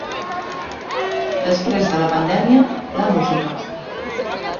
Després de la pandèmia, la música.